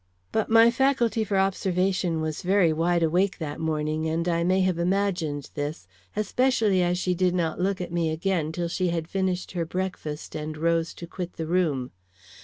But my faculty for observation was very wide awake that morning, and I may have imagined this, especially as she did not look at me again till she had finished her breakfast and rose to quit the room.